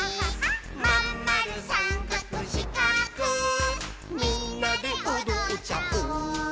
「まんまるさんかくしかくみんなでおどっちゃおう」